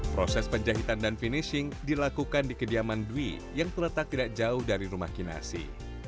proses penjahitan dan finishing dilakukan di kediaman dwi yang terletak tidak jauh dari rumah kinasi